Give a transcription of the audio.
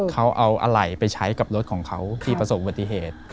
เขาเอาอะไรไปใช้กับรถของเขาที่ประสบอุบัติเหตุ